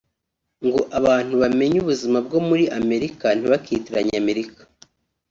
ngo abantu bamenye ubuzima bwo muri Amerika ntibakitiranye Amerika